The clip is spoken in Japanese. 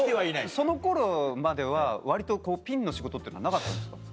その頃までは割とピンの仕事っていうのはなかったんですか？